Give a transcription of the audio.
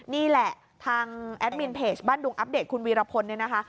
นี่แหละทางแอดมินเพจบ้านดุงอัปเดตคุณวีรพลเนี่ยนะคะ